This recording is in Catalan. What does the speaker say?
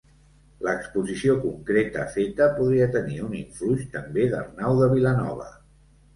L’exposició concreta feta podria tenir un influx també d'Arnau de Vilanova.